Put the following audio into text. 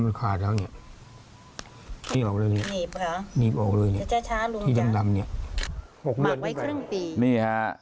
หมับไว้ครึ่งปี